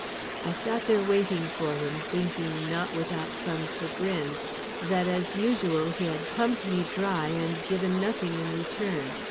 I sat there waiting for him, thinking not without some chagrin, that, as usual, he had pumped me dry, and given nothing in return.